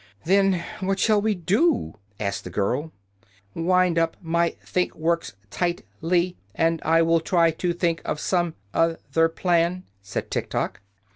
"Then what shall we do?" asked the girl. "Wind up my think works tight ly, and I will try to think of some oth er plan," said Tiktok.